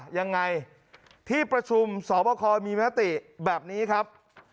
ยังไงที่ประชุมสอบคอมีมติแบบนี้ครับ